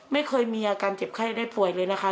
ไม่เคยมีอาการเจ็บไข้ได้ป่วยเลยนะคะ